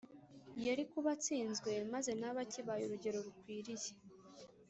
Yari kuba atsinzwe maze ntabe akibaye urugero rukwiriye.